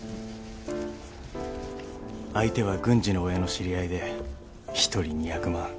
相手は郡司の親の知り合いで１人２００万。